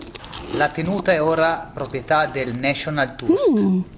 La tenuta è ora di proprietà del National Trust.